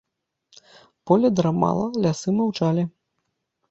Поле драмала, лясы маўчалі.